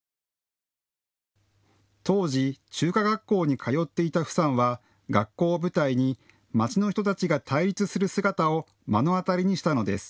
当時、中華学校に通っていた符さんは学校を舞台に街の人たちが対立する姿を目の当たりにしたのです。